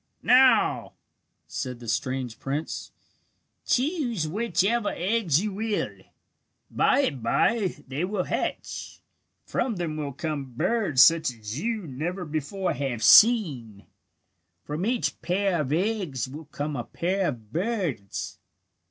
"Now," said the strange prince, "choose whichever eggs you will. By and bye they will hatch. From them will come birds such as you never before have seen. From each pair of eggs will come a pair of birds."